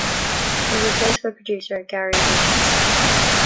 He was replaced by producer Gary Lucchesi.